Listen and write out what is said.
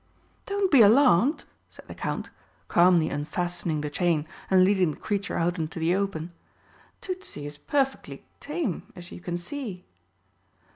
"Don't be alarmed!" said the Count, calmly unfastening the chain and leading the creature out into the open. "Tützi is perfectly tame, as you can see."